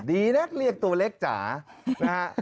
ดีนักเรียกตัวเล็กจ๋านะฮะ